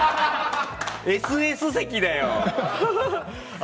ＳＳ席だよ！